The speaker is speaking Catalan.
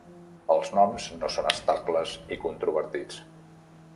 Els noms no són estables i controvertits.